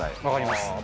わかります。